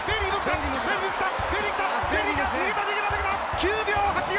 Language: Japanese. ９秒８４！